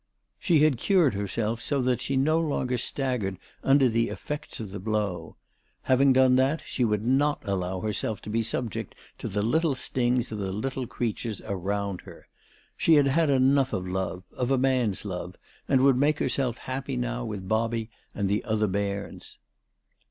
She had cured herself so that she no longer staggered under the effects of the blow. Having done that, she would not allow herself to be subject to the little stings of the little creatures around her. She had had enough of love, of a man's love, and would make herself happy now with Bobby and the other bairns.